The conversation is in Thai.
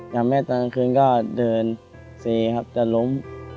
ทำให้ตอนกลางคืนก็เดินเซครับจะล้ม